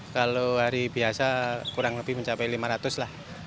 kalau hari biasa kurang lebih mencapai lima ratus lah